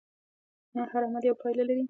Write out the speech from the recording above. هر عمل یوه پایله لري.